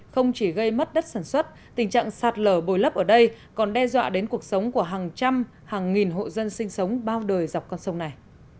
không chỉ gây mất đất sản xuất tình trạng sạt lở bồi lấp ở đây còn đe dọa đến cuộc sống của hàng trăm hàng nghìn hộ dân sinh sống bao đời dọc con sông này